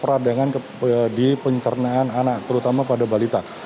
peradangan di pencernaan anak terutama pada balita